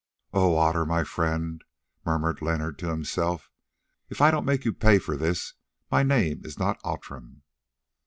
"O Otter, my friend," murmured Leonard to himself, "if I don't make you pay for this, my name is not Outram!"